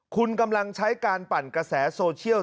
คุณกำลังใช้การปั่นกระแสโซเชียล